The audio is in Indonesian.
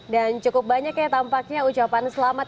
dan cukup banyak ya tampaknya ucapan selamat